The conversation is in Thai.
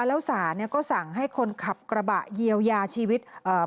แล้วสาวก็สั่งให้คนขับกระบะเยียวยาชีวิต